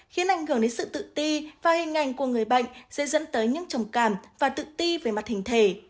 khiến ảnh hưởng đến sự tự ti và hình ảnh của người bệnh sẽ dẫn tới những trầm cảm và tự ti về mặt hình thể